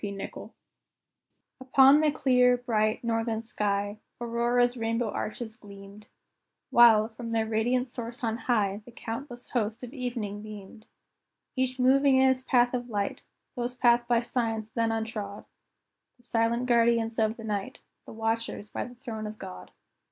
P. Nichol._ Upon the clear, bright, northern sky, Aurora's rainbow arches gleamed, While, from their radiant source on high, The countless host of evening beamed; Each moving in its path of light Those paths by Science then untrod The silent guardians of the night, The watchers by the throne of God.